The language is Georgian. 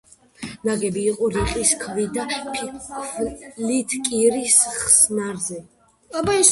ნაგები იყო რიყის ქვით და ფიქლით კირის ხსნარზე.